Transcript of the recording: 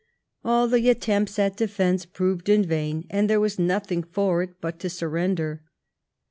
All the attempts at defence proved in vain, and there was nothing for it but to surrender.